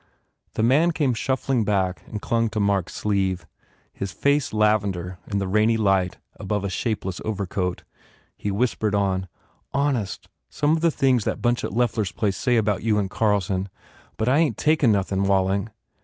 The man came shuffling back and clung to Mark s sleeve, his face lavender in the rainy light above a shapeless overcoat. He whispered on, "Honest, some of the things that bunch at Loeffler s place say about you and Carl son ! But I ain t takin nothing, Walling.